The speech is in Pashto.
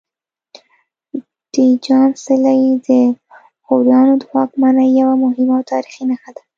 د جام څلی د غوریانو د واکمنۍ یوه مهمه او تاریخي نښه ده